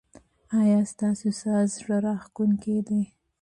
ایا ستاسو ساز زړه راښکونکی دی؟